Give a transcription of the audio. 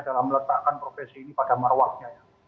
dalam meletakkan profesi ini pada marwaknya